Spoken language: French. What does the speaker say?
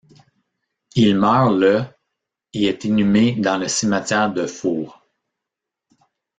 Il meurt le et est inhummé dans le cimetière de Fours.